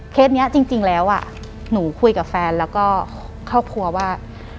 นี้จริงแล้วหนูคุยกับแฟนแล้วก็ครอบครัวว่า